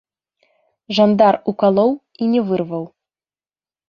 Жандар укалоў і не вырваў.